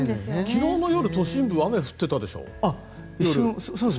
昨日の夜、都心部で雨が降っていたでしょう。